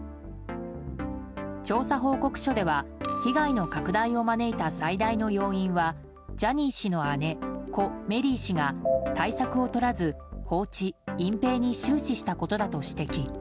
調査報告書では被害の拡大を招いた最大の要因はジャニー氏の姉・故メリー氏が対策をとらず放置・隠蔽に終始したことだと指摘。